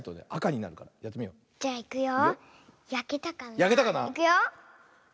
いくよ。